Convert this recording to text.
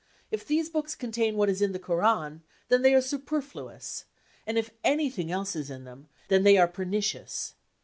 " If these books contain what is in the Koran, then they are superfluous. And if anything else is in them, then they are pernicious.